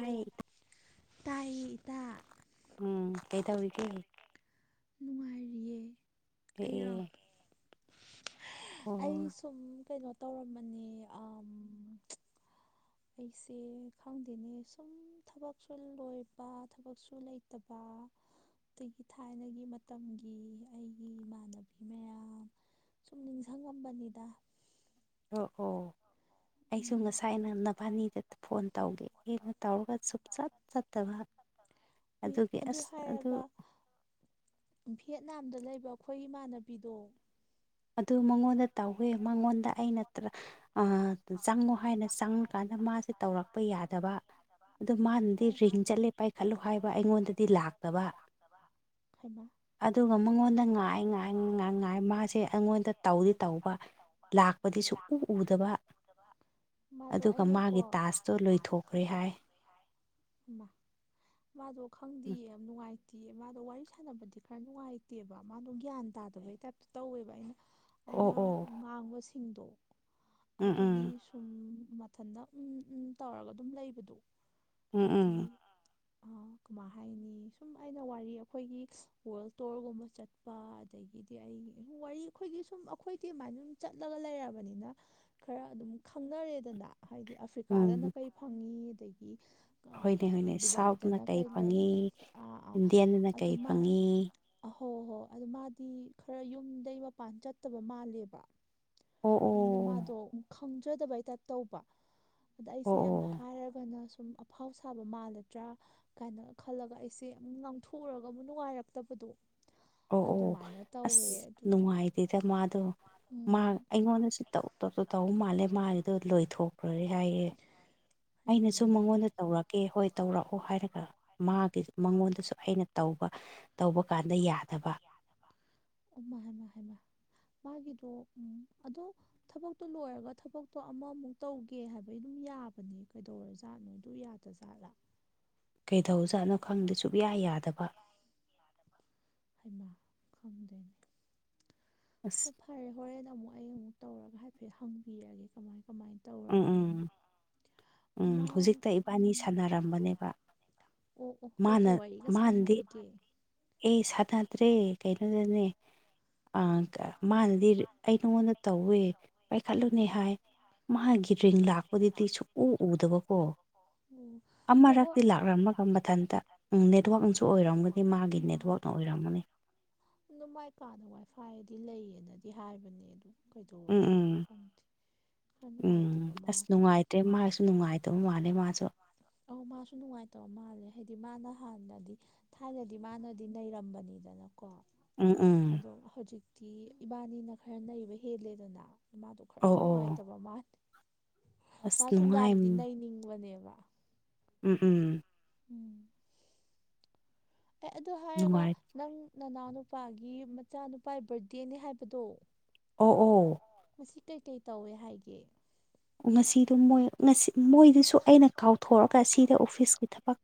ꯑꯩ ꯇꯥꯏꯌꯦ ꯏꯇꯥ ꯎꯝ ꯀꯩꯗꯧꯔꯤꯒꯦ ꯅꯨꯡꯉꯥꯏꯔꯤꯌꯦ ꯑꯩꯔꯣ ꯑꯦ ꯑꯣ ꯑꯩ ꯁꯨꯝ ꯀꯩꯅꯣ ꯇꯧꯔꯝꯕꯅꯤ ꯑꯝ ꯑꯩꯁꯦ ꯈꯪꯗꯦꯅꯦ ꯁꯨꯝ ꯊꯕꯛꯁꯨ ꯂꯣꯏꯄ ꯊꯕꯛꯁꯨ ꯂꯩꯇꯕ ꯑꯗꯒꯤ ꯊꯥꯏꯅꯒꯤ ꯃꯇꯝꯒꯤ ꯑꯩꯒꯤ ꯏꯃꯥꯟꯅꯕꯤ ꯃꯌꯥꯝ ꯁꯨꯝ ꯅꯤꯡꯖꯪꯉꯝꯕꯅꯤꯗ ꯑꯣ ꯑꯣ ꯑꯩꯁꯨ ꯎꯝ ꯉꯁꯥꯏꯅ ꯅꯕꯥꯅꯤꯗ ꯐꯣꯟ ꯇꯧꯒꯦꯅ ꯇꯧꯔꯒ ꯁꯨ ꯆꯠ ꯆꯠꯇꯕ ꯎꯏ ꯑꯗꯨꯒꯤ ꯑꯗꯨ ꯑꯁ ꯑꯗꯨ ꯍꯥꯏꯔꯒ ꯚꯤꯌꯦꯠꯅꯥꯝꯗ ꯂꯩꯕ ꯑꯩꯈꯣꯏ ꯏꯃꯥꯟꯅꯕꯤꯗꯣ ꯑꯗꯨ ꯃꯉꯣꯟꯗ ꯇꯧꯋꯦ ꯃꯉꯣꯟꯗ ꯑꯩ ꯅꯠꯇ꯭ꯔ ꯑ ꯆꯪꯉꯣ ꯍꯥꯏꯅ ꯆꯪꯉꯀꯥꯟꯗ ꯃꯥꯁꯦ ꯇꯧꯔꯛꯄ ꯌꯥꯗꯕ ꯑꯗꯨ ꯃꯥꯅꯗꯤ ꯑꯦ ꯔꯤꯡ ꯆꯠꯂꯦ ꯄꯥꯏꯈꯠꯂꯨ ꯍꯥꯏꯕ ꯑꯩꯉꯣꯟꯗꯗꯤ ꯂꯥꯛꯇꯕ ꯍꯩꯃꯥ ꯑꯗꯨꯒ ꯃꯉꯣꯟꯗ ꯉꯥꯏ ꯉꯥꯏ ꯉꯥꯏ ꯉꯥꯏ ꯃꯥꯁꯦ ꯑꯩꯉꯣꯟꯗ ꯇꯧꯗꯤ ꯇꯧꯕ ꯂꯥꯛꯄꯗꯤ ꯁꯨꯡꯎ ꯎꯗꯕ [unintelligible] ꯑꯗꯨꯒ ꯑꯩꯅꯀꯣ ꯃꯥꯒꯤ ꯇꯥꯁꯇꯣ ꯃꯥꯒꯤ ꯂꯣꯏꯊꯣꯛꯈ꯭ꯔꯦ ꯍꯥꯏ ꯍꯩꯃꯥ ꯃꯥꯗꯣ ꯎ ꯈꯪꯗꯤꯌꯦ ꯌꯥꯝ ꯅꯨꯡꯉꯥꯏ ꯇꯤꯌꯦ ꯃꯥꯗꯣ ꯋꯥꯔꯤ ꯁꯥꯟꯅꯕꯗꯤ ꯈꯔ ꯅꯨꯡꯉꯥꯏꯇꯦꯕ ꯃꯥꯗꯣ ꯒ꯭ꯌꯥꯟ ꯇꯥꯗꯕꯩ ꯇꯥꯏꯞꯇ ꯇꯧꯋꯦꯕ ꯑꯩꯅ ꯑꯣ ꯑꯩꯅ ꯑꯣ ꯉꯥꯡꯕꯁꯤꯡꯗꯣ ꯎꯝ ꯑꯗꯨꯒꯤ ꯎꯝ ꯎꯝ ꯃꯊꯟꯇ ꯎꯪ ꯎꯪ ꯇꯧꯔꯒ ꯑꯗꯨꯝ ꯂꯩꯕꯗꯣ ꯎꯝ ꯎꯝ ꯍꯥꯏꯗꯤ ꯑ ꯀꯃꯥꯏ ꯍꯥꯏꯅꯤ ꯁꯨꯝ ꯑꯩꯅ ꯋꯥꯔꯤ ꯑꯩꯈꯣꯏꯒꯤ ꯋꯥꯔꯜ ꯇꯣꯔꯒꯨꯝꯕ ꯆꯠ ꯄ ꯑꯗꯒꯤꯗꯤ ꯑꯩ [unintelligible] ꯋꯥꯔꯤ ꯑꯩꯈꯣꯏꯒꯤ ꯁꯨꯝ ꯑꯩꯈꯣꯏꯗꯤ ꯑꯃꯥꯏꯅ ꯁꯨꯝ ꯆꯠꯂꯒ ꯂꯩꯔꯕꯅꯤꯅ ꯈꯔ ꯑꯗꯨꯝ ꯈꯪꯅꯔꯦꯗꯅ ꯍꯥꯏꯗꯤ ꯑꯐ꯭ꯔꯤꯀꯥꯗꯅ ꯎꯝ ꯀꯩ ꯐꯪꯉꯤ ꯑꯗꯒꯤ ꯑ ꯍꯣꯏꯅꯦ ꯍꯣꯏꯅꯦ ꯁꯥꯎꯠꯅ ꯗꯨꯕꯥꯏꯗꯅ ꯀꯩ ꯂꯩ ꯐꯪꯉꯤ ꯑꯥ ꯑꯥ ꯏꯟꯗꯤꯌꯟꯗꯅ ꯀꯩ ꯑꯗꯨꯃ ꯐꯪꯉꯤ ꯑꯍꯣ ꯍꯣ ꯑꯗꯨ ꯃꯥꯗꯤ ꯈꯔ ꯌꯨꯝꯗꯩ ꯃꯄꯥꯟ ꯆꯠꯇꯕ ꯃꯥꯜꯂꯦꯕ ꯑꯣ ꯑꯗꯨꯅ ꯃꯥꯗꯣ ꯈꯪꯖꯗꯕꯩ ꯇꯥꯏꯞ ꯇꯧꯕ ꯑꯗ ꯑꯩꯁꯦ ꯌꯥꯝ ꯑꯣ ꯍꯥꯏꯔꯒꯅ ꯁꯨꯝ ꯑꯐꯥꯎ ꯁꯥꯕ ꯃꯥꯜꯂꯗ꯭ꯔꯥ ꯀꯥꯏꯅ ꯈꯜꯂꯒ ꯑꯩꯁꯦ ꯑꯃꯨꯛ ꯉꯥꯡꯊꯣꯛꯎꯔꯒ ꯑꯃꯨꯛ ꯅꯨꯡꯉꯥꯏꯔꯛꯇꯕꯗꯣ ꯑꯣ ꯑꯣ ꯑꯗꯨꯃꯥꯏꯅ ꯇꯧꯋꯦ ꯑꯁ ꯑꯗꯨꯒꯤ ꯅꯨꯡꯉꯥꯏꯇꯦꯗ ꯃꯥꯗꯣ ꯃꯥ ꯎꯝ ꯑꯩꯉꯣꯟꯗꯁꯨ ꯇꯧ ꯇꯧ ꯇꯧꯕ ꯃꯥꯜꯂꯦ ꯃꯥꯒꯤꯗꯣ ꯂꯣꯏꯊꯣꯛꯈ꯭ꯔꯦ ꯍꯥꯏꯌꯦ ꯍꯩꯃꯥ ꯑꯩꯅꯁꯨ ꯍꯩꯃꯥ ꯍꯩꯃꯥ ꯃꯉꯣꯟꯗ ꯇꯧꯔꯛꯀꯦ ꯍꯣꯏ ꯇꯧꯔꯛꯑꯣ ꯍꯥꯏꯔꯒ ꯃꯥꯒꯤ ꯃꯉꯣꯟꯗꯁꯨ ꯑꯩꯅ ꯇꯧꯕ ꯇꯧꯕ ꯀꯥꯟꯗ ꯌꯥꯗ ꯑꯣꯃ ꯍꯦꯃ ꯍꯦ ꯃꯥ ꯃꯥꯒꯤꯗꯣ ꯎꯝ ꯑꯗꯣ ꯊꯕꯛꯇꯣ ꯂꯣꯏꯔꯒ ꯊꯕꯛꯇꯣ ꯑꯃꯃꯨꯛ ꯇꯧꯒꯦ ꯍꯥꯏꯕ ꯑꯩꯩ ꯑꯗꯨꯝ ꯌꯥꯕꯅꯦ ꯀꯩꯗꯧꯔ ꯖꯥꯠꯅꯣꯣꯏ ꯑꯗꯨ ꯌꯥꯗ꯭ꯔꯖꯥꯠꯂꯥ ꯀꯩꯗꯧꯖꯠꯅꯣ ꯈꯪꯗꯦ ꯁꯨꯛꯌꯥ ꯌꯥꯗꯕ ꯍꯥꯏꯃ ꯈꯪꯗꯣꯏꯅꯤ ꯑꯁ ꯍꯣꯏ ꯐꯔꯦ ꯍꯣꯔꯦꯟꯗ ꯑꯃꯨꯛ ꯑꯩ ꯑꯃꯨꯛ ꯇꯧꯔꯒ ꯍꯥꯏꯐꯦꯠ ꯍꯪꯕꯤꯔꯒꯦ ꯀꯃꯥꯏ ꯀꯃꯥꯏꯅ ꯎꯝ ꯇꯧꯔꯒꯦꯅ ꯎꯝ ꯎꯝ ꯃꯥꯅ ꯏꯕꯥꯅꯤ ꯁꯥꯟꯅꯔꯝꯕꯅꯦꯗ ꯑꯣ ꯑꯣ ꯀꯩꯀꯩ ꯋꯥꯔꯤꯒ ꯁꯥꯟꯅꯔꯤꯒꯦ ꯑꯦ ꯁꯥ ꯇꯗ꯭ꯔꯦ ꯀꯩꯅꯣꯗꯅꯦ ꯦ [inaudible] ꯃꯥꯅꯗꯤ ꯑꯩ ꯅꯉꯣꯟꯗ ꯇꯧꯋꯦ ꯄꯥꯏꯈꯠꯂꯨꯅꯦ ꯍꯥꯏ ꯃꯥꯒꯤ ꯔꯤꯡ ꯂꯥꯛꯄꯗꯨꯗꯤ ꯁꯨꯛꯎ ꯎꯗꯕꯀꯣ ꯑꯣ ꯑꯃꯔꯛꯇꯤ ꯅꯦꯠꯋꯥꯛ ꯂꯥꯛꯂꯝꯝꯃꯒ ꯃꯊꯟꯇ ꯅꯦꯠꯋꯥꯛꯅꯁꯨ ꯑꯣꯏꯔꯝꯒꯅꯤ ꯃꯥꯒꯤ ꯅꯦꯠꯋꯥꯛꯅ ꯑꯣꯏꯔꯝꯒꯅꯤ ꯑꯗꯨ ꯃꯥꯏ ꯀꯥꯗ ꯋꯥꯏꯐꯥꯏꯗꯤ ꯂꯩꯌꯦꯅꯗꯤ ꯍꯥꯏꯕꯅꯦ ꯑꯗꯨ ꯎꯝ ꯎꯝ ꯀꯩꯗꯧꯔꯨꯖꯥꯠꯅꯣ ꯈꯪꯗꯦ ꯈꯔ ꯎꯝ ꯅꯨꯡꯉꯥꯏꯇꯕ ꯃꯥ ꯑꯁ ꯅꯨꯡꯉꯥꯏꯇ꯭ꯔꯦ ꯅꯨꯡꯉꯥꯏꯇꯦ ꯃꯥꯁꯨ ꯅꯨꯡꯉꯥꯏꯇꯕ ꯃꯥꯁꯨ ꯃꯥꯜꯂꯦ ꯃꯥꯁꯨꯣ ꯑꯧ ꯃꯥꯁꯨ ꯅꯨꯡꯉꯥꯏꯇꯕ ꯃꯥꯜꯂꯦ ꯍꯥꯏꯗꯤ ꯃꯥꯅ ꯍꯥꯟꯅꯗꯤ ꯊꯥꯏꯅꯗꯤ ꯃꯥꯅꯗꯤ ꯅꯩꯔꯝꯕꯅꯤꯗꯅ ꯀꯣ ꯎꯝ ꯎꯝ ꯑꯗꯣ ꯍꯧꯖꯤꯛꯇꯤ ꯏꯕꯥꯅꯤꯅ ꯈꯔ ꯅꯩꯕ ꯍꯦꯜꯂꯦꯗꯅ ꯏꯃꯥꯗꯣ ꯈꯔꯪ ꯑꯣ ꯑꯣ ꯅꯨꯡꯉꯥꯏꯇꯕ ꯃꯥꯅꯤ ꯑꯁ ꯃꯥ ꯅꯨꯡꯉꯥꯏ ꯁꯟꯗꯥꯝꯗꯤ ꯅꯩꯅꯤꯡꯕꯅꯦꯕ ꯎꯝ ꯎꯝ ꯎꯝ ꯑꯦ ꯑꯗꯨ ꯍꯥꯏꯔꯒ ꯅꯨꯡꯉꯥꯏ ꯅꯪ ꯅꯅꯥꯎꯅ ꯅꯨꯄꯥꯒꯤ ꯃꯆꯥꯅꯨꯄꯥ ꯕꯥꯔꯗꯦꯅꯤ ꯍꯥꯏꯕꯗꯣ ꯑꯣ ꯑꯣ ꯃꯁꯤ ꯀꯩꯀꯩ ꯇꯧꯋꯦ ꯍꯥꯏꯒꯦ ꯉꯁꯤꯗꯣ ꯃꯣꯏ ꯉꯁꯤ ꯃꯣꯏꯗꯨꯁꯨ ꯑꯩꯅ ꯀꯥꯎꯊꯣꯛꯑꯒ ꯁꯤꯗ ꯑꯣꯐꯤꯁꯀꯤ ꯊꯕꯛ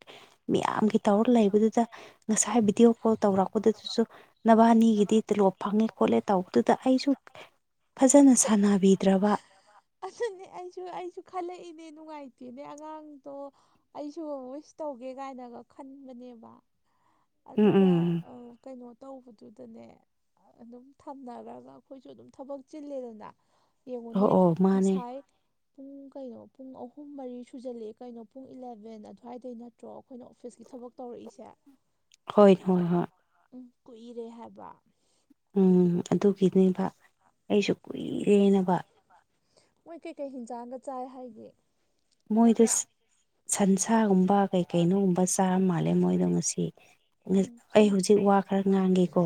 ꯃꯌꯥꯝꯒꯤ ꯇꯧꯔꯒ ꯂꯩꯕꯗꯨꯗ ꯉꯁꯥꯏ ꯚꯤꯗꯤꯑꯣ ꯀꯣꯜ ꯇꯧꯔꯛꯄꯗꯨꯗꯨꯁꯨ ꯅꯕꯥꯅꯤꯒꯤꯗꯤ ꯇꯤꯂꯣꯞ ꯐꯪꯉꯦ ꯈꯣꯠꯂꯦ ꯇꯧꯕꯗꯨꯗ ꯑꯩꯁꯨ ꯐꯖꯅ ꯁꯥꯟꯅꯕꯤꯗ꯭ꯔꯕ ꯑꯩꯁꯨ ꯑꯩꯁꯨ ꯈꯜꯂꯛꯏꯅꯦ ꯅꯨꯡꯉꯥꯏꯇꯦꯅꯦ ꯑꯉꯥꯡꯗꯣ ꯑꯩꯁꯨ ꯋꯤꯁ ꯇꯧꯒꯦ ꯀꯥꯏꯅꯒ ꯈꯟꯕꯅꯦꯕ ꯎꯝ ꯑꯗꯨꯒ ꯎꯝ ꯀꯩꯅꯣ ꯇꯧꯕꯗꯨꯗꯅꯦ ꯑꯗꯨꯝ ꯊꯝꯅꯈ꯭ꯔꯒ ꯑꯩꯈꯣꯏꯁꯨ ꯑꯗꯨꯝ ꯊꯕꯛ ꯆꯤꯜꯂꯦꯗꯅ ꯑꯣ ꯌꯦꯡꯉꯨꯅꯦ ꯑꯣ ꯃꯥꯅꯦ ꯉꯁꯥꯏ ꯄꯨꯡ ꯀꯩꯅꯣ ꯄꯨꯡ ꯑꯍꯨꯝ ꯃꯔꯤ ꯁꯨꯖꯜꯂꯛꯑꯦ ꯀꯩꯅꯣ ꯄꯨꯡ ꯏꯂꯕꯦꯟ ꯑꯗꯨꯋꯥꯏꯗꯩꯅ ꯅꯠꯇ꯭ꯔꯣ ꯑꯩꯈꯣꯏꯅ ꯑꯣꯐꯤꯁꯀꯤ ꯊꯕꯛ ꯇꯧꯔꯛꯏꯁꯦ ꯍꯣꯏ ꯍꯣꯏ ꯍꯣꯏ ꯎꯝ ꯀꯨꯏꯔꯦ ꯍꯥꯏꯕ ꯎꯝ ꯑꯗꯨꯒꯤꯅꯦꯕ ꯑꯩꯁꯨ ꯀꯨꯏꯔꯦꯅꯕ ꯃꯣꯏ ꯀꯩꯀꯩ ꯍꯤꯟꯖꯥꯡꯒ ꯆꯥꯏ ꯍꯥꯏꯒꯦ ꯃꯣꯏꯗ ꯁꯟꯁꯥꯒꯨꯝꯕ ꯀꯩ ꯀꯩꯅꯣꯒꯨꯝꯕ ꯆꯥ ꯃꯥꯜꯂꯦ ꯃꯣꯏꯗꯣ ꯉꯁꯤ ꯎꯝ ꯑꯩ ꯁꯝ ꯍꯧꯖꯤꯛ ꯋꯥ ꯈꯔ ꯉꯥꯡꯉꯦꯀꯣ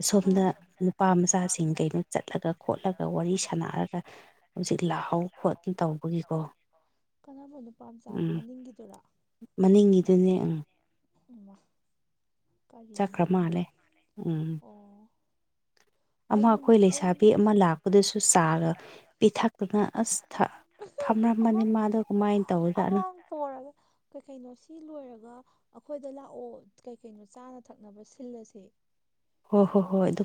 ꯑꯁꯣꯝꯗ ꯑꯥ ꯅꯨꯄꯥ ꯃꯆꯥꯁꯤꯡ ꯀꯩꯅꯣ ꯆꯠꯂꯒ ꯈꯣꯠꯂꯒ ꯋꯥꯔꯤ ꯁꯥꯟꯅꯔꯒ ꯍꯧꯖꯤꯛ ꯂꯥꯛꯍꯥꯎ ꯈꯣꯠꯅ ꯇꯧꯕꯒꯤꯀꯣ ꯀꯅꯥꯅꯕ ꯅꯨꯄꯥ ꯃꯆꯥꯅꯣ ꯎꯝ ꯃꯅꯤꯡꯒꯤ ꯃꯅꯤꯡꯒꯤꯗꯨꯅꯦ ꯑ ꯎꯃ ꯀꯔꯤꯅꯣ ꯆꯠꯈ꯭ꯔ ꯃꯥꯜꯂꯦ ꯅꯪ꯭ꯔ ꯃꯥꯂꯦ ꯎꯝ ꯑꯩꯒꯤ ꯑꯩ ꯂꯩꯁꯥꯕꯤ ꯑꯃ ꯂꯥꯛꯄꯗꯁꯨ ꯆꯥꯒ ꯄꯤꯊꯛꯄꯅ ꯑꯁ ꯐꯝꯔꯝꯕꯅꯤ ꯃꯥꯗꯣ ꯀꯃꯥꯏꯅ ꯑ ꯇꯧꯔꯖꯥꯠꯅꯣ ꯑꯃ ꯊꯣꯔꯒꯦ ꯀꯩ ꯀꯩꯅꯣ ꯁꯤ ꯂꯣꯏꯔꯒ ꯑꯩꯈꯣꯏꯗ ꯂꯥꯛꯑꯣ ꯀꯩ ꯀꯩꯅꯣ ꯆꯥꯅ ꯊꯛꯅꯕ ꯁꯤꯜꯂꯁꯦ ꯍꯣꯏ ꯍꯣ ꯍꯣꯏ ꯑꯗꯨ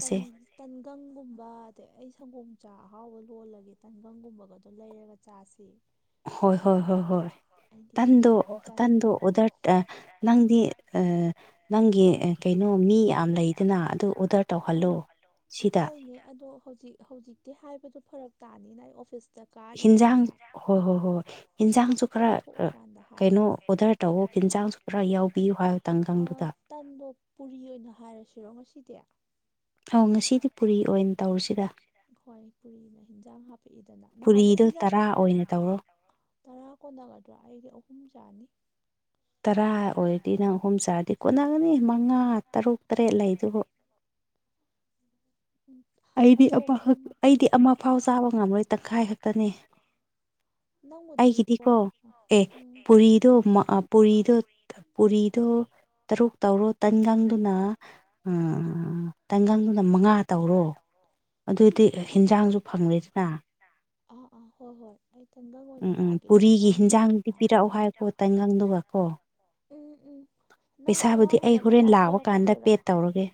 ꯇꯟ ꯇꯟꯒꯪꯒꯨꯝꯕ ꯑꯗꯩ ꯑꯩ ꯁꯪꯒꯣꯝ ꯆꯥ ꯑꯍꯥꯎꯕ ꯂꯣꯜꯂꯒꯦ ꯇꯟꯒꯪꯒꯨꯝꯕꯒꯗꯣ ꯂꯩꯔꯒ ꯆꯥꯁꯤ ꯍꯣꯏ ꯍꯣꯏ ꯍꯣꯏ ꯍꯣꯏ ꯑꯩꯗꯤ ꯇꯟ ꯇꯟꯗꯨ ꯌꯥꯝ ꯇꯟꯗꯨ ꯆꯥꯅꯤꯡꯉꯦꯕ ꯑꯣꯗꯔ ꯑ ꯅꯪꯗꯤ ꯑ ꯅꯪꯒꯤ ꯀꯩꯅꯣ ꯃꯤ ꯌꯥꯝ ꯂꯩꯗꯅ ꯑꯗꯨ ꯑꯣꯗꯔ ꯇꯧꯍꯜ ꯍꯣꯏꯅꯦ ꯑꯗꯣ ꯍꯧꯖꯤꯛ ꯍꯧꯖꯤꯛꯇꯤ ꯍꯥꯏꯕꯗꯣ ꯐꯔꯛ ꯇꯥꯅꯤꯅ ꯑꯩ ꯑꯣꯐꯤꯁ ꯆ ꯍꯤꯟꯖꯥꯡ ꯀꯥꯔꯤꯕꯅꯤꯅ ꯍꯣꯏ ꯍꯣꯏ ꯍꯣꯏ ꯍꯤꯟꯖꯥꯡꯁꯨ ꯈꯔ ꯑꯣꯐꯤꯁꯇꯒꯤ ꯊꯣꯛꯂꯀꯥꯟꯗ ꯀꯩꯅꯣ ꯍꯥꯏꯔꯒꯦ ꯇꯧꯋ ꯑꯣꯗꯔ ꯇꯧꯑꯣ ꯍꯤꯟꯖꯥꯡꯁꯨ ꯆꯤꯟꯖꯥꯛꯁꯨ ꯈꯔ ꯍꯥꯏꯕ ꯌꯥꯎꯕꯤꯌꯨ ꯑ ꯇꯪꯒꯪꯗꯨꯗ ꯇꯟꯗꯣ ꯄꯨꯔꯤ ꯑꯣꯏꯅ ꯍꯥꯏꯔꯁꯤꯔꯣ ꯉꯁꯤꯗꯤ ꯑꯧ ꯉꯁꯤ ꯄꯨꯔꯤ ꯑꯣꯏꯅ ꯇꯧꯁꯤꯗ ꯍꯣꯏ ꯄꯨꯔꯤꯅ ꯏꯟꯖꯥꯡ ꯍꯥꯞꯄꯛꯏꯗꯅ ꯅꯍꯥꯟ ꯑꯃꯨ ꯄꯨꯔꯤꯗꯣ ꯇꯔꯥ ꯑꯣꯏꯅ ꯇꯧꯔꯣ ꯇꯔꯥ ꯀꯣꯟꯅꯒꯗ꯭ꯔꯥ ꯑꯩꯗꯤ ꯑꯍꯨꯝ ꯆꯥꯅꯤ ꯇꯔꯥ ꯑꯣꯏꯔꯗꯤ ꯅꯪ ꯑꯍꯨꯝ ꯆꯥꯔꯗꯤ ꯀꯣꯟꯅꯒꯅꯤ ꯃꯉꯥ ꯇꯔꯨꯛ ꯇꯔꯦꯠ ꯂꯩꯗꯨꯕꯨ ꯎꯝ ꯑꯩꯗꯤ ꯑꯗꯣ ꯑꯃꯍꯛ ꯑꯩꯗꯤ ꯑꯃꯐꯥꯎ ꯆꯥꯕ ꯉꯝꯂꯣꯏ ꯇꯪꯈꯥꯏ ꯈꯛꯇꯅꯦ ꯅꯪꯕꯨꯗꯤ ꯑꯩꯒꯤꯗꯤꯀꯣ ꯍꯣꯏ ꯑꯦ ꯎꯝ ꯄꯨꯔꯤꯗꯣ ꯃ ꯑ ꯄꯨꯔꯤꯗꯣ ꯄꯨꯔꯤꯗꯣ ꯇꯔꯨꯛ ꯇꯧꯔꯣ ꯇꯟꯒꯪꯗꯨꯅ ꯑ ꯇꯪꯒꯪꯗꯨꯅ ꯃꯉꯥ ꯇꯧꯔꯣ ꯑꯗꯨꯗꯤ ꯍꯤꯟꯖꯥꯡꯁꯨ ꯐꯪꯉꯅꯤꯅ ꯑ ꯑꯥ ꯍꯣꯏ ꯍꯣꯏ ꯑꯩ ꯇꯟꯒꯪ ꯑꯣꯏꯅ ꯎꯝ ꯎꯝ ꯆꯥꯒꯦ ꯄꯨꯔꯤꯒꯤ ꯇꯟꯒꯪꯅ ꯍꯦꯟꯅ ꯍꯤꯟꯖꯥꯡꯗꯤ ꯄꯥꯝꯃꯦ ꯄꯤꯔꯛꯑꯣ ꯍꯥꯏꯀꯣ ꯇꯟꯉꯪꯗꯨꯒ ꯀꯣ ꯎꯝ ꯎꯝ ꯅꯪ ꯄꯩꯁꯥꯕꯨꯗꯤ ꯑꯋꯥꯥꯡ ꯑꯩ ꯍꯣꯔꯦꯟ ꯍꯧꯒꯠꯂꯀꯥꯟ ꯂꯥꯛꯄ ꯀꯥꯟꯗ ꯄꯦ ꯊꯣꯛꯂꯛꯀꯗꯣꯏꯔꯣ ꯇꯧꯔꯒꯦ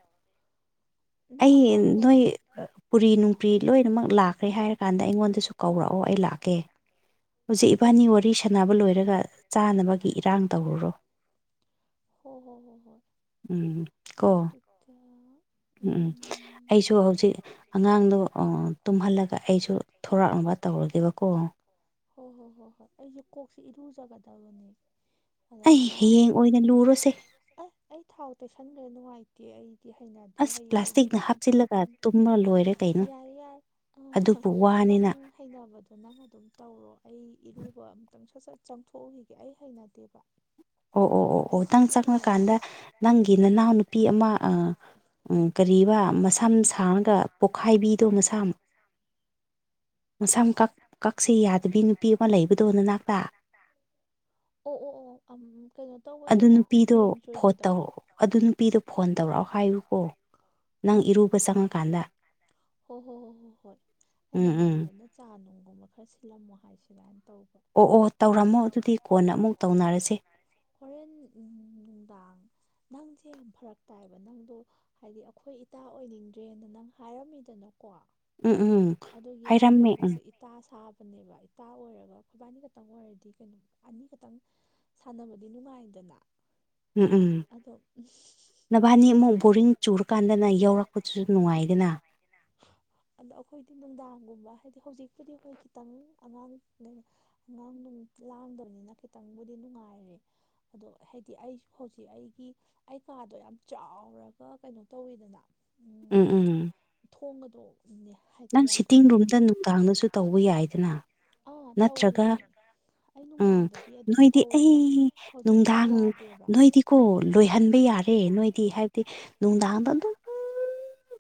[inaudible] ꯑꯩ ꯍꯧꯒꯠ ꯅꯣꯏ ꯄꯨꯔꯤ ꯅꯨꯡꯄ꯭ꯔꯤ ꯂꯣꯏꯅꯃꯛ ꯂꯥꯛꯈ꯭ꯔꯦ ꯍꯥꯏꯔ ꯀꯥꯟꯗ ꯑꯩꯉꯣꯟꯗꯁꯨ ꯀꯧꯔꯛꯑꯣ ꯑꯩ ꯂꯥꯛꯀꯦ ꯍꯧꯖꯤꯛ ꯑꯦ ꯏꯕꯥꯅꯤ ꯋꯥꯔꯤ ꯁꯥꯟꯅꯕ ꯂꯣꯏꯔꯒ ꯆꯥꯅꯕꯒꯤ ꯏꯔꯥꯡ ꯇꯧꯔꯨꯔꯣ ꯍꯣ ꯍꯣ ꯍꯣ ꯍꯣꯏ ꯎꯝ ꯀꯣ ꯑꯣ ꯀꯌꯥꯅꯤ ꯅꯣ ꯎꯝ ꯎꯝ ꯑꯩꯁꯨ ꯍꯧꯖꯤꯛ ꯑꯉꯥꯡꯗꯣ ꯑꯣ ꯇꯨꯝꯍꯜꯂꯒ ꯑꯩꯁꯨ ꯊꯣꯔꯛꯅꯕ ꯇꯧꯔꯒꯦꯕꯀꯣ ꯍꯣꯏ ꯍꯣꯏ ꯍꯣꯏ ꯍꯣꯏ ꯑꯩꯁꯦ ꯀꯣꯛꯁꯦ ꯏꯔꯨꯖꯒꯗꯕꯅꯦ ꯑꯩ ꯍꯌꯦꯡ ꯑꯣꯏꯅ ꯂꯨꯔꯣꯁꯦ ꯑꯁ ꯑꯩ ꯊꯥꯎ ꯇꯩꯁꯟꯒ꯭ꯔꯦ ꯅꯨꯡꯉꯥꯏꯇꯦ ꯑꯩ ꯗꯤ ꯍꯩꯅꯗꯦ ꯑꯁ ꯍꯌꯦꯡ ꯎꯔꯤꯡ ꯄ꯭ꯂꯥꯁꯇꯤꯛꯅ ꯂꯣꯏ ꯍꯥꯞꯆꯤꯜꯂꯒ ꯊꯣꯛꯂꯛꯀꯅꯤ ꯇꯨꯝꯃ ꯂꯣꯏꯔꯦ ꯀꯩꯅꯣ ꯌꯥꯔꯦ ꯌꯥꯏ ꯑ ꯑꯗꯨꯕꯨ ꯅꯪ ꯋꯥꯅꯤꯅ ꯍꯩꯅꯕꯗꯣ ꯅꯪ ꯑꯗꯨꯝ ꯇꯧꯔꯣ ꯑꯩ ꯏꯔꯨꯕ ꯑꯃꯝꯇꯪ ꯁꯠ ꯁꯠ ꯆꯪꯊꯣꯛꯎꯈꯤꯒꯦ ꯑꯩ ꯍꯩꯅꯗꯦꯕ ꯑꯣ ꯑꯣ ꯑꯣ ꯑꯣ ꯅꯪ ꯑꯩꯗꯤ ꯍꯩꯅꯗ ꯆꯪꯉꯀꯥꯟꯗ ꯅꯪꯒꯤ ꯅꯅꯥꯎ ꯅꯨꯄꯤ ꯑꯃ ꯑ ꯎꯪ ꯀꯔꯤꯕꯥ ꯃꯁꯝ ꯁꯥꯡꯔꯒ ꯄꯣꯛꯈꯥꯏꯕꯤꯗꯣ ꯃꯁꯝ ꯃꯁꯝ ꯀ ꯀꯛꯁꯤ ꯌꯥꯗꯕꯤ ꯅꯨꯄꯤ ꯑꯃ ꯂꯩꯕꯗꯣ ꯅꯅꯥꯛꯇ ꯑꯣ ꯑꯣ ꯑꯣ ꯑꯝ ꯀꯩꯅꯣ ꯑꯗꯨ ꯇꯧꯕꯗꯨꯔꯥ ꯅꯨꯄꯤꯗꯣ ꯄꯦꯡ ꯐꯣꯟ ꯆꯣꯏꯕꯤꯗꯣ ꯇꯧꯔꯛꯑꯣ ꯑꯗꯨ ꯅꯨꯄꯤꯗꯣ ꯐꯣꯟ ꯇꯧꯔꯛꯑꯣ ꯍꯥꯏꯌꯨꯀꯣ ꯅꯪ ꯏꯔꯨꯕ ꯆꯪꯉꯀꯥꯟꯗ ꯍꯣ‌ ꯍꯣ ꯍꯣ‌ ꯍꯣꯏ ꯍꯣꯏ ꯑꯩꯅ ꯎꯝ ꯎꯝ ꯃꯉꯣꯟꯗ ꯅꯨꯞ ꯆꯥ ꯅꯨꯡꯒꯨꯝꯕ ꯈꯔ ꯁꯤꯜꯂꯝꯃꯣ ꯍꯥꯏ ꯁꯤꯔꯥꯅ ꯇꯧꯕ ꯑꯣ ꯑꯣ ꯇꯧꯔꯝꯃꯣ ꯑꯗꯨꯗꯤ ꯀꯣꯟꯅ ꯑꯃꯨꯛ ꯇꯧꯅꯔꯁꯦ ꯍꯣꯔꯦꯟ ꯅꯨꯡꯗꯥꯡ ꯅꯪꯁꯦ ꯌꯥꯝ ꯐꯔꯛ ꯇꯥꯏꯕ ꯅꯪꯗꯣ ꯍꯥꯏꯗꯤ ꯑꯩꯈꯣꯏ ꯏꯇꯥ ꯑꯣꯏꯅꯤꯡꯗ꯭ꯔꯦꯅ ꯅꯪ ꯍꯥꯏꯔꯝꯃꯤꯗꯅꯀꯣ ꯎꯝ ꯎꯝ ꯑꯗꯨꯒꯤ ꯃꯥꯒ ꯍꯥꯏꯔꯝꯃꯦ ꯎꯝ ꯑꯩꯒꯁꯦ ꯏꯇꯥ ꯁꯥꯕꯅꯦꯕ ꯏꯇꯥ ꯑꯣꯏꯔꯒ ꯈꯣꯏꯕꯥꯅꯤ ꯈꯛꯇꯪ ꯑꯣꯏꯔꯗꯤ ꯀꯩꯅꯣ ꯑꯅꯤꯈꯛꯇꯪ ꯁꯥꯟꯅꯕꯗꯤ ꯅꯨꯡꯉꯥꯏꯗꯅ ꯎꯝ ꯎꯝ ꯑꯗꯣ ꯅꯕꯥꯅꯤ ꯑꯃꯨꯛ ꯕꯣꯔꯤꯡ ꯆꯨꯔꯀꯥꯟꯗꯅ ꯌꯥꯎꯔꯛꯄꯗꯨꯁꯨ ꯅꯨꯡꯉꯥꯏꯗꯅ ꯑꯗꯣ ꯑꯩꯈꯣꯏꯗꯤ ꯅꯨꯡꯗꯥꯡꯒꯨꯝꯕ ꯍꯥꯏꯗꯤ ꯍꯧꯖꯤꯛꯄꯨꯗꯤ ꯑꯩꯈꯣꯏ ꯈꯤꯇꯪ ꯑꯉꯥꯡꯅꯣ ꯑꯉꯥꯡ ꯅꯨꯡ ꯂꯥꯡꯗꯕꯅꯤꯅ ꯈꯤꯇꯪꯕꯨꯗꯤ ꯅꯨꯡꯉꯥꯏꯔꯦ ꯑꯗꯣ ꯍꯥꯏꯗꯤ ꯑꯩꯁꯨ ꯍꯧꯖꯤꯛ ꯑꯩꯒꯤ ꯑꯩ ꯀꯥꯗꯣ ꯌꯥꯝ ꯆꯥꯎꯔꯒ ꯀꯩꯅꯣ ꯇꯧꯋꯤꯗꯅ ꯎꯝ ꯎꯝ ꯊꯣꯡꯒꯗꯣꯅꯦ ꯍꯥꯏꯗꯤ ꯌꯥꯝ ꯅꯪ ꯁꯤꯇꯤꯡꯗꯨꯝꯇ ꯅꯨꯡꯗꯥꯡꯗꯁꯨ ꯇꯧꯕ ꯌꯥꯏꯗꯅ ꯑꯥ ꯇꯧꯔꯤꯅꯦ ꯅꯠꯇ꯭ꯔꯒ ꯅꯠꯇꯔꯒ ꯑꯩ ꯎꯝ ꯅꯨꯡꯗꯥꯡꯗꯗꯤ ꯑꯗꯨꯝ ꯅꯣꯏꯗꯤ ꯑꯩ ꯇꯧꯋꯦꯕ ꯍꯧꯖꯤꯛꯇꯤ ꯌꯥꯗꯦꯕ ꯀꯣ ꯂꯣꯏꯍꯟꯕ ꯌꯥꯔꯦ ꯅꯣꯏꯗꯤ ꯍꯥꯏꯕꯗꯤ ꯅꯨꯡꯗꯥꯡꯗ ꯑꯗꯨꯝ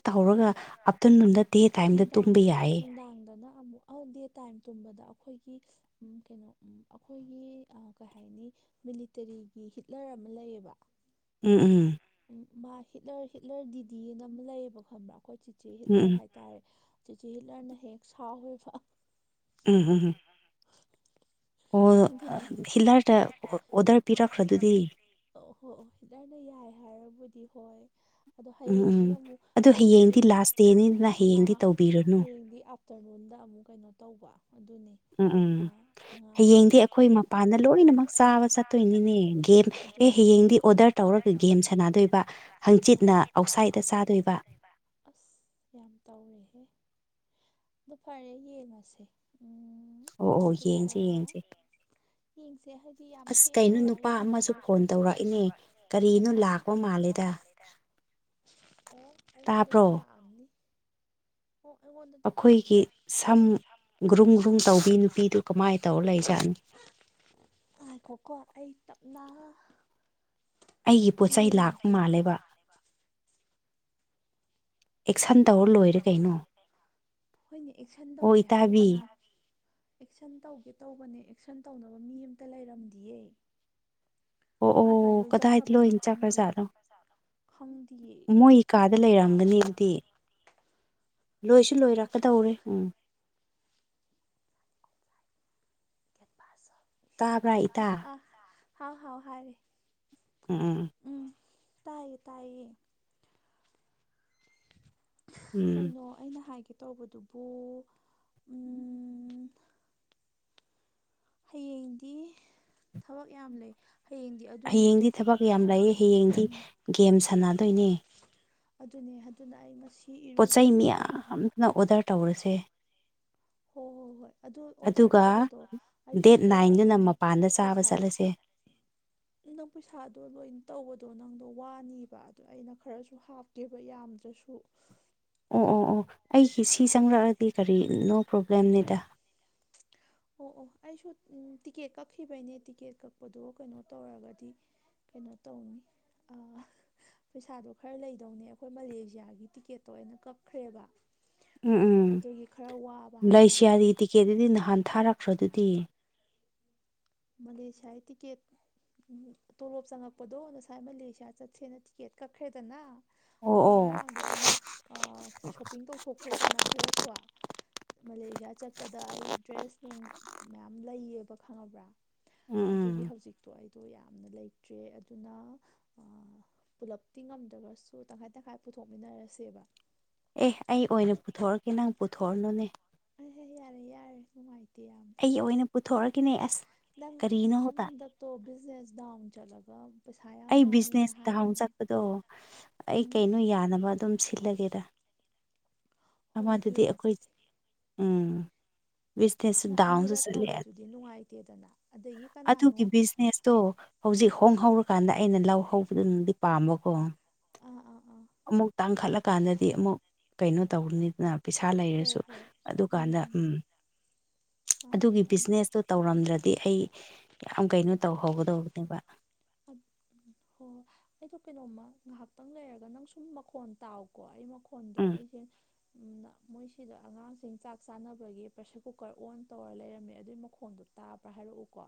ꯇꯧꯔꯒ ꯑꯞꯇꯔꯅꯨꯟꯗ ꯇꯦ ꯅꯨꯡꯗꯥꯡ ꯅꯨꯅꯨꯡꯗꯥꯡꯗꯅ ꯑꯃꯨꯛ ꯑꯧ ꯗꯦ ꯇꯥꯏꯝ ꯇꯨꯝꯕꯗ ꯑꯩꯈꯣꯏꯒꯤ ꯎꯝ ꯀꯩꯅꯣ ꯎꯝ ꯑꯩꯈꯣꯏꯒꯤ ꯑ ꯀꯩ ꯍꯥꯏꯅꯤ ꯃꯤꯂꯤꯇꯔꯤꯒꯤ ꯍꯤꯠꯂꯔ ꯑꯃ ꯂꯩꯌꯦꯕ ꯎꯝ ꯎꯝ ꯎꯝ ꯃꯥ ꯍꯤꯠꯂꯔ ꯍꯤꯠꯂꯔ ꯗꯤꯗꯤꯅ ꯑꯃ ꯂꯩꯌꯦꯕ ꯈꯪꯕ꯭ꯔꯥ ꯑꯩꯈꯣꯏ ꯆꯤꯆꯦ ꯍꯤꯠꯂꯔ ꯎꯝ ꯍꯥꯏ ꯇꯥꯔꯦ ꯆꯤꯆꯦ ꯍꯤꯂꯔꯅ ꯍꯦꯛ ꯁꯥꯎꯋꯦꯕ ꯎꯝ ꯎꯝ ꯎꯝ ꯑꯣ ꯍꯤꯠꯂꯔꯗ ꯚꯤꯂꯔꯗ ꯑꯣꯗꯔ ꯄꯤꯔꯛꯈ꯭ꯔꯗꯨꯗꯤ ꯑꯣ ꯍꯣꯏ ꯑꯣ ꯍꯤꯠꯂꯔꯅ ꯌꯥꯔꯦ ꯍꯥꯏꯔꯕꯨꯗꯤ ꯍꯣꯏ ꯑꯗꯣ ꯎꯝ ꯍꯌꯦꯡꯗꯤ ꯎꯝ ꯑꯃꯨꯛ ꯑꯗꯨ ꯍꯌꯦꯡꯁꯦ ꯍꯌꯦꯡꯗꯤ ꯂꯥꯁ ꯗꯦꯅꯤꯗꯅ ꯍꯌꯦꯡꯗꯤ ꯇꯧꯕꯤꯔꯅꯨ ꯍꯌꯦꯡꯗꯤ ꯇꯔꯨꯟꯗ ꯑꯃꯨꯛ ꯀꯩꯅꯣ ꯇꯧꯕ ꯑꯗꯨꯅꯤ ꯎꯝ-ꯎꯝ ꯍꯌꯦꯡꯗꯤ ꯑꯩꯈꯣꯏ ꯃꯄꯥꯟꯗ ꯂꯣꯏꯅꯃꯛ ꯆꯥꯕ ꯆꯠꯇꯣꯏꯅꯤꯅꯦ ꯒꯦꯝ ꯑꯦ ꯍꯌꯦꯡꯗꯤ ꯑꯣꯗꯔ ꯇꯧꯔ ꯒꯦꯝ ꯁꯥꯟꯅꯗꯣꯏꯕ ꯍꯥꯡꯆꯤꯠꯅ ꯑꯥꯎꯠꯁꯥꯏꯠꯇ ꯆꯥꯗꯣꯏꯕ ꯑꯁ ꯌꯥꯝ ꯇꯧꯂꯦꯍꯦ ꯑꯗꯨ ꯐꯔꯦ ꯌꯦꯡꯉꯁꯦ ꯎꯝ ꯑꯣ ꯑꯣ ꯑꯗꯨꯒ ꯌꯦꯡꯁꯦ ꯌꯦꯡꯁꯦ ꯌꯦꯡꯁꯦ ꯍꯥꯏꯗꯤ ꯌꯥꯝ ꯊꯦꯡꯅ ꯋꯥꯔꯤ ꯁꯥꯟꯅꯗꯣꯏꯁꯤꯁꯨ ꯐꯣꯟ ꯇꯧꯔꯛꯏꯅꯦ ꯀꯥꯅꯥ ꯀꯔꯤꯅꯣ ꯂꯥꯛꯄ ꯃꯥꯜꯂꯦꯗ ꯑꯣ ꯑꯩꯉꯣꯟꯗꯁꯨ ꯇꯥꯕ꯭ꯔꯣ ꯂꯥꯛꯑꯝꯅꯤ ꯑꯣ ꯑꯩꯉꯣꯟꯗ ꯑꯩꯈꯣꯏꯒꯤ ꯁꯝ ꯒ꯭ꯔꯨꯝ ꯒ꯭ꯔꯨꯝ ꯇꯧꯕꯤ ꯅꯨꯄꯤꯗꯨ ꯀꯃꯥꯏꯅ ꯇꯧꯔ ꯂꯩꯖꯥꯠꯅꯣ ꯉꯥꯏꯈꯣꯀꯣ ꯑꯩ ꯇꯞꯅ ꯑꯩꯒꯤ ꯄꯣꯠ ꯆꯩꯩ ꯂꯥꯛꯄ ꯌꯦꯡꯒꯦ ꯃꯥꯜꯂꯦꯕ ꯑꯦꯛꯁꯟ ꯇꯧꯔ ꯂꯣꯏꯔꯦ ꯀꯩꯅꯣ ꯑꯩꯈꯣꯏꯅꯦ ꯑꯦꯛꯁꯟ ꯑꯣ ꯇꯧꯒꯦ ꯍꯥꯏꯕꯨ ꯏꯇꯥꯕꯤ ꯀꯅꯥ ꯑꯦꯛꯁꯟ ꯇꯧꯒꯦ ꯇꯧꯕꯅꯦ ꯑꯦꯛꯁꯟ ꯇꯧꯅꯕ ꯃꯤ ꯑꯃꯇ ꯂꯩꯔꯝꯗꯤꯌꯦ ꯑꯣ ꯀꯥꯏ-ꯀꯥꯏ ꯑꯣ ꯂꯣꯏ ꯀꯗꯥꯏꯗ ꯆꯠꯈ꯭ꯔꯕꯅꯣ ꯂꯣꯏꯅ ꯈꯪꯗꯦ ꯆꯠꯈ꯭ꯔꯖꯥꯠꯅꯣ ꯈꯪꯗꯤꯌꯦ ꯃꯣꯏ ꯀꯥꯗ ꯃꯣꯏ ꯀꯥꯗ ꯂꯩꯔꯝꯒꯅꯤ ꯑꯗꯨꯗꯤ ꯂꯩꯔꯝꯒꯅꯤ ꯂꯣꯏꯁꯨ ꯂꯣꯏꯔꯛꯀꯗꯧꯔꯦ ꯎꯝ ꯄꯥꯁꯜ [unintelligible] ꯇꯥꯕ꯭ꯔꯥ ꯏꯇꯥ ꯍꯥꯎ-ꯍꯥꯎ ꯍꯥꯏꯔꯦ ꯎꯝ ꯎꯝ ꯎꯝ ꯇꯥꯏꯌꯦ-ꯇꯥꯏꯌꯦ ꯎꯝ ꯀꯩꯅꯣ ꯑꯩꯅ ꯍꯥꯏꯒꯦ ꯇꯧꯕꯗꯨꯕꯨ ꯎꯝ ꯍꯌꯦꯡꯗꯤ ꯊꯕꯛ ꯌꯥꯝ ꯂꯩ ꯍꯌꯦꯡꯗꯤ ꯑꯗꯨꯅꯦ ꯇꯣ ꯍꯌꯦꯡꯗꯤ ꯊꯕꯛ ꯌꯥꯝ ꯑꯥ ꯂꯩꯌꯦ ꯍꯌꯦꯡꯗꯤ ꯎꯝ ꯒꯦꯝ ꯁꯥꯟꯅꯗꯣꯏꯅꯦ ꯑꯗꯨꯅꯦ ꯑꯗꯨꯅ ꯑꯩ ꯉꯁꯤ ꯏꯔꯨꯖꯊꯣꯛꯄ ꯅ ꯑꯣꯗꯔ ꯇꯧꯔꯁꯦ [inaudible] ꯍꯣꯏ-ꯍꯣꯏ-ꯍꯣꯏ ꯑꯗꯨ ꯑꯣꯗꯔ ꯑꯗꯨꯒ ꯇꯧꯕꯗꯣ ꯑꯩꯁꯨ ꯗꯦꯠ ꯈꯔ ꯅꯥꯏꯟꯗꯨꯅ ꯑꯗꯨꯝ ꯃꯄꯥꯟꯗ ꯆꯥꯕ ꯄꯩꯁꯥ ꯆꯠꯂꯁꯦ ꯅꯪ ꯄꯩꯁꯥꯗꯣ ꯂꯣꯏ ꯇꯧꯕꯗꯣ ꯅꯪꯗꯣ ꯋꯥꯅꯤꯕ ꯑꯗꯣ ꯑꯩꯅ ꯈꯔꯁꯨ ꯍꯥꯞ ꯀꯦꯕ ꯌꯥꯝꯗ꯭ꯔꯁꯨ ꯑꯣ ꯑꯣ ꯑꯣ ꯑꯩꯒꯤ ꯁꯤ ꯆꯪꯂꯛꯑꯗꯤ ꯀꯔꯤ ꯅꯣ ꯄ꯭ꯔꯣꯕ꯭ꯂꯦꯝꯅꯤꯗ ꯑꯇ ꯑꯣ ꯑꯣ ꯑꯩꯁꯨ ꯇꯤꯀꯦꯠ ꯀꯛꯈꯤꯕꯩꯅꯦ ꯇꯤꯀꯦꯠ ꯀꯛꯄꯗꯣ ꯀꯩꯅꯣ ꯇꯧꯔꯒꯗꯤ ꯀꯩꯅꯣ ꯇꯧꯅꯤ ꯑ ꯄꯩꯁꯥꯗꯣ ꯈꯔ ꯂꯩꯗꯧꯅꯦ ꯑꯩꯈꯣꯏ ꯃꯂꯦꯁꯤꯌꯥꯒꯤ ꯇꯤꯀꯦꯠꯇꯣ ꯑꯩꯅ ꯀꯛꯈ꯭ꯔꯦꯕ ꯑꯗꯨꯒꯤ ꯈꯔ ꯋꯥꯕ ꯍꯥꯏ ꯌꯥꯔꯤ ꯇꯤꯛꯀꯦꯠꯇꯨꯗꯤ ꯅꯍꯥꯟ ꯊꯥꯔꯛꯈ꯭ꯔ ꯑꯗꯨꯗꯤ ꯃꯂꯦꯁꯤꯌꯥ ꯇꯤꯀꯦꯠ ꯇꯣꯂꯣꯞ ꯆꯪꯉꯛꯄꯗꯣ ꯉꯁꯥꯏ ꯃꯂꯦꯁꯤꯌꯥ ꯆꯠꯁꯦꯅ ꯇꯤꯛꯀꯦꯠ ꯀꯛꯈ꯭ꯔꯦꯗꯅ ꯑꯣ ꯑꯗꯩ ꯑꯣ ꯉꯔꯥꯡꯗꯣ ꯑꯩꯅ ꯁꯣꯞꯄꯤꯡ ꯇꯧꯊꯣꯛꯈ꯭ꯔꯦꯗꯅ ꯈꯔꯁꯨ ꯃꯥꯂꯦꯁꯤꯌꯥ ꯆꯠꯄꯗ ꯑꯩ ꯗ꯭ꯔꯦꯁ ꯅꯨꯡ ꯃꯌꯥꯝ ꯂꯩꯌꯦꯕ ꯈꯪꯉꯕ꯭ꯔꯥ ꯎꯝ ꯎꯝ ꯑꯗꯨꯒꯤ ꯍꯧꯖꯤꯛꯇꯣ ꯑꯩꯗꯣ ꯌꯥꯝꯅ ꯂꯩꯇ꯭ꯔꯦ ꯑꯗꯨꯅ ꯄꯨꯂꯞꯇꯤ ꯉꯝꯗ꯭ꯔꯒꯁꯨ ꯇꯪꯈꯥꯏ ꯇꯪꯈꯥꯏ ꯄꯨꯊꯣꯛꯃꯤꯟꯅꯔꯁꯦꯕ ꯑꯦ ꯑꯩ ꯑꯣꯏꯅ ꯄꯨꯊꯣꯔꯀꯦ ꯅꯪ ꯄꯨꯊꯣꯛꯑꯅꯣꯅꯦ ꯑꯍ ꯌꯥꯔꯦ-ꯌꯥꯔꯦ ꯅꯨꯡꯉꯥꯏꯇꯦ ꯌꯥꯝ ꯑꯩ ꯑꯣꯏꯅ ꯄꯨꯊꯣꯛꯑꯒꯦꯅꯦ ꯑꯁ ꯀꯔꯤꯅꯣ ꯍꯣꯗ ꯇꯣ ꯕꯤꯖꯤꯅꯦꯁ ꯗꯥꯎꯟ ꯆꯠꯂꯒ ꯄꯩꯁꯥ ꯌꯥꯝ ꯃꯥꯡꯉꯦꯅ ꯍꯥꯏꯗꯅ ꯑꯗꯣ ꯑꯩ ꯎꯝ ꯀꯩꯅꯣ ꯌꯥꯅꯕ ꯑꯗꯨꯝ ꯁꯤꯜꯂꯒꯦꯗ ꯍꯣꯏ ꯑꯃꯗꯨꯗꯤ ꯌꯦꯡꯉꯁꯤ ꯑꯈꯣꯏ ꯎꯝ ꯕꯤꯖꯅꯦꯁ ꯅꯪ ꯗꯥꯎꯟꯁꯨ ꯑꯅꯤꯔꯛ ꯆꯠꯂꯦ ꯇꯧꯕꯗꯨꯗꯤ ꯅꯨꯡꯉꯥꯏꯇꯦꯗꯅ ꯑꯗꯒꯤ ꯀꯅꯥꯅꯣ ꯑꯗꯨꯒꯤ ꯕꯤꯖꯤꯅꯦꯁꯇꯣ ꯍꯧꯖꯤꯛ ꯍꯣꯡ ꯍꯧꯔꯀꯥꯟꯗ ꯑꯩꯅ ꯂꯧ ꯍꯧꯕꯗꯨꯅꯗꯤ ꯄꯥꯝꯕꯀꯣ ꯑꯥ ꯑꯥ ꯑꯥ ꯑꯃꯨꯛ ꯇꯥꯡꯈꯠꯂꯀꯥꯟꯗꯗꯤ ꯑꯃꯨꯛ ꯀꯩꯅꯣ ꯇꯧꯕꯅꯤꯗ ꯄꯩꯁꯥ ꯂꯩꯔꯁꯨ ꯑꯗꯨꯀꯥꯟꯗ ꯎꯝ ꯃꯥꯅꯦ ꯑꯗꯨꯒꯤ ꯑꯗꯣ ꯕꯤꯖꯤꯅꯦꯁꯇꯨ ꯇꯧꯔꯝꯗ꯭ꯔꯗꯤ ꯑꯩ ꯌꯥꯝ ꯀꯩꯅꯣ ꯇꯧꯍꯧꯒꯗꯧꯕꯅꯦꯕ ꯍꯣ ꯑꯩꯗꯣ ꯀꯩꯅꯣꯝꯃ ꯉꯍꯥꯛꯇꯪ ꯂꯩꯔꯒ ꯅꯪ ꯁꯨꯝ ꯃꯈꯣꯟ ꯇꯥꯎꯀꯣ ꯑꯩ ꯃꯈꯣꯟꯗ ꯎꯝ ꯑꯩꯁꯦ ꯃꯣꯏꯁꯤꯗ ꯑꯉꯥꯡꯁꯤꯡ ꯆꯥꯛ ꯆꯥꯅꯕꯒꯤ ꯄ꯭ꯔꯦꯁꯔ ꯀꯨꯀꯔ ꯑꯣꯟ ꯇꯧꯔ ꯂꯩꯔꯝꯃꯦ ꯑꯗꯨꯏ ꯃꯈꯣꯟꯗꯨ ꯇꯥꯕ꯭ꯔꯥ ꯍꯥꯏꯔꯛꯎꯀꯣ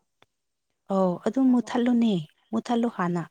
ꯑꯧ ꯑꯗꯨ ꯀꯥꯝꯃꯛꯄꯗ ꯃꯨꯠꯊꯠꯂꯨꯅꯦ ꯃꯨꯠꯊꯠꯂꯨ ꯍꯥꯟꯅ